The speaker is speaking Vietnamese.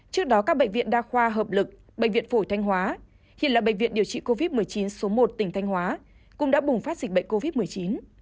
trước đó các bệnh viện đa khoa hợp lực bệnh viện phổi thanh hóa hiện là bệnh viện điều trị covid một mươi chín số một tỉnh thanh hóa cũng đã bùng phát dịch bệnh covid một mươi chín